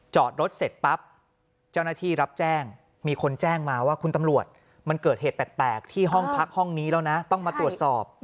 จอดรถเสร็จปั๊บเจ้าหน้าที่รับแจ้งมีคนแจ้งมาว่าคุณตำรวจมันเกิดเหตุแปลกที่ห้องพักห้องนี้แล้วนะต้องมาตรวจสอบ